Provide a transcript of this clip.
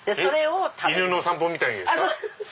犬の散歩みたいにですか？